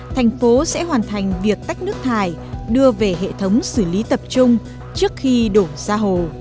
thành phố sẽ hoàn thành việc tách nước thải đưa về hệ thống xử lý tập trung trước khi đổ ra hồ